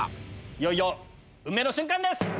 いよいよ運命の瞬間です！